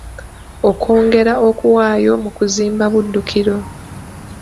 Okwongera okuwaayo mu kuzimba Buddukiro.